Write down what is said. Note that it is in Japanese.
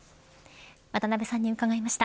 渡辺さんに伺いました。